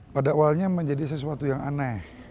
pada awalnya menjadi sesuatu yang aneh